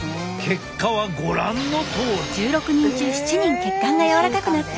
結果はご覧のとおり。